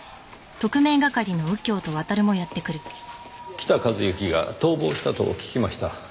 北一幸が逃亡したと聞きました。